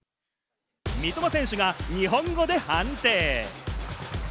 三笘選手が日本語で判定。